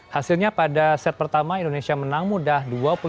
hasilnya pada set pertama indonesia menang mudah dua puluh satu